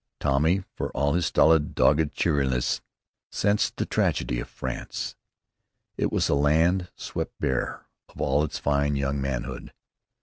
Tommy, for all his stolid, dogged cheeriness, sensed the tragedy of France. It was a land swept bare of all its fine young manhood.